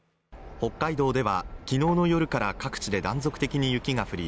北海道では昨日の夜から各地で断続的に雪が降り